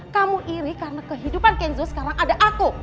kamu iri karena kehidupan kenzo sekarang ada aku